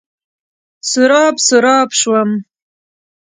سراب، سراب شوم